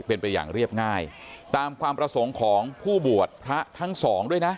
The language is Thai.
เป็นไปอย่างเรียบง่ายตามความประสงค์ของผู้บวชพระทั้งสองด้วยนะ